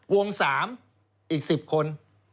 วงสามอีก๑๐คน